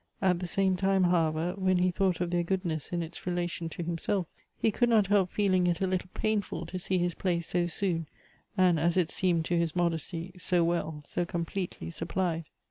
At the same time, however, when he thought of their good ness in its relation to himself, he could not help feeling it a little painful to see his place so soon, .and as it seemed to his modesty, so well, so completely supplied.